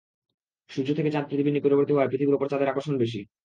সূর্য থেকে চাঁদ পৃথিবীর নিকটবর্তী হওয়ায় পৃথিবীর ওপর চাঁদের আকর্ষণ বেশি।